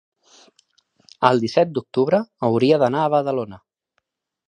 el disset d'octubre hauria d'anar a Badalona.